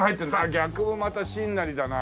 逆もまた真なりだな。